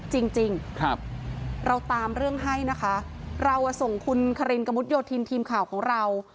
จริงจริงครับเราตามเรื่องให้นะคะเราส่งคุณคารินกระมุดโยธินทีมข่าวของเรา